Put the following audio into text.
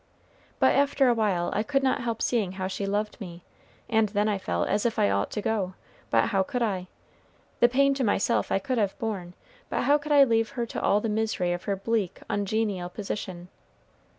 But after a while I could not help seeing how she loved me; and then I felt as if I ought to go; but how could I? The pain to myself I could have borne; but how could I leave her to all the misery of her bleak, ungenial position?